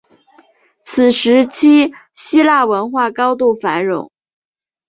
此时期希腊文化高度的繁荣